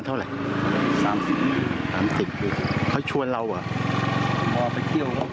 ตรวจไปเที่ยว